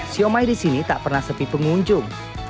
siomay di sini tak pernah sepi pengunjung